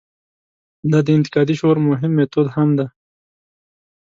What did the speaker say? دا د انتقادي شعور مهم میتود هم دی.